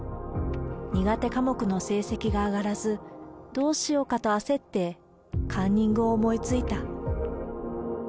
苦手科目の成績が上がらず、どうしようかと焦って、カンニングを思いついた。